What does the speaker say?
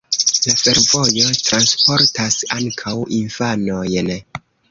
La fervojo transportas ankaŭ infanojn.